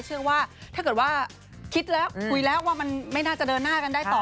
เชื่อว่าถ้าเกิดว่าคิดแล้วคุยแล้วว่ามันไม่น่าจะเดินหน้ากันได้ต่อ